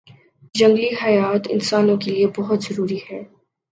جنگلی حیات انسانوں کے لیئے بہت ضروری ہیں